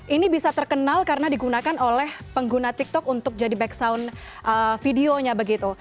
ini bisa terkenal karena digunakan oleh pengguna tiktok untuk jadi back sound videonya begitu